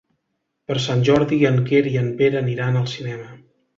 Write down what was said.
Per Sant Jordi en Quer i en Pere aniran al cinema.